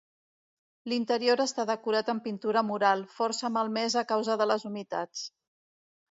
L'interior està decorat amb pintura mural, força malmesa a causa de les humitats.